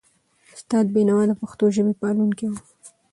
استاد بینوا د پښتو ژبي پالونکی و.